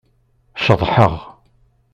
Ceḍḥeɣ.